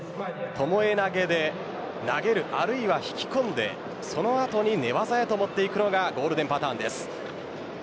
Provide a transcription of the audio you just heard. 巴投で投げる、あるいは引き込んでそのあとに寝技へと持っていくのがゴールデンパターンです。